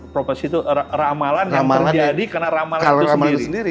proposisi itu ramalan yang terjadi karena ramalan itu sendiri